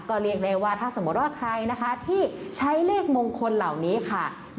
ก็เรียกได้ว่าถ้าสมมติว่าใครนะคะที่ใช้เลขมงคลเหล่านี้ค่ะ